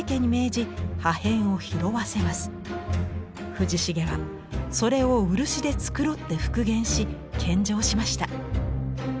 藤重はそれを漆で繕って復元し献上しました。